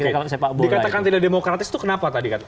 dikatakan tidak demokratis itu kenapa tadi